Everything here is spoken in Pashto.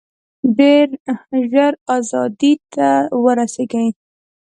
ډېر ژر آزادۍ ته ورسیږي.